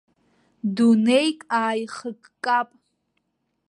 Дунеик ааихыккап.